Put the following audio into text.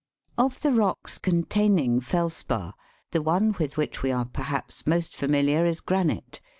Of the rocks containing felspar, the one with which we are perhaps most familiar is granite (Fig.